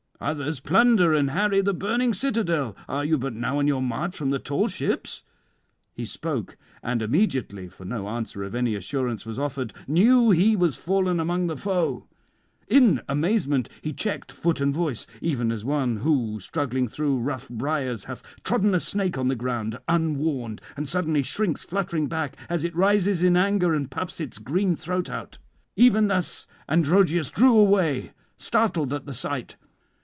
others plunder and harry the burning citadel; are you but now on your march from the tall ships?" He spoke, and immediately (for no answer of any assurance was offered) knew he was fallen among the foe. In amazement, he checked foot and voice; even as one who struggling through rough briers hath trodden a snake on the ground unwarned, and suddenly shrinks fluttering back as it rises in anger and puffs its green throat out; even thus Androgeus drew away, startled at the sight.